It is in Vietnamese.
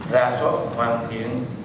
ra soát hoàn thiện